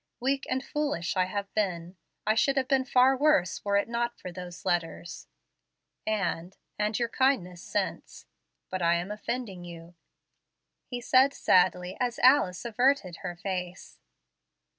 Weak and foolish as I have been, I should have been far worse were it not for those letters, and and your kindness since. But I am offending you," he said sadly, as Alice averted her face.